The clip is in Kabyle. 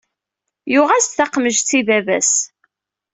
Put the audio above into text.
Yuɣ-as-d taqemjett i baba-s